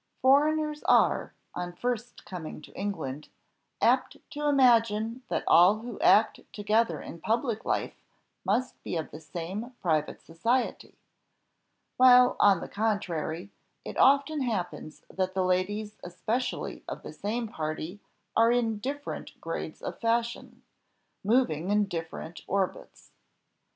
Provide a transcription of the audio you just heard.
Foreigners are, on first coming to England, apt to imagine that all who act together in public life must be of the same private society; while, on the contrary, it often happens that the ladies especially of the same party are in different grades of fashion moving in different orbits.